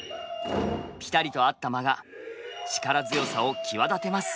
ピタリと合った間が力強さを際立てます。